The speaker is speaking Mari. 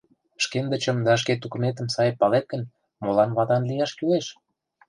Шкендычым да шке тукыметым сай палет гын, молан ватан лияш кӱлеш?